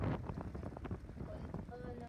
Asia waliokuja na dini yao ya Kiislamu